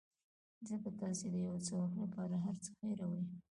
ځکه تاسو د یو څه وخت لپاره هر څه هیروئ.